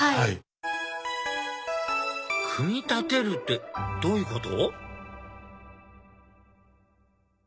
組み立てるってどういうこと？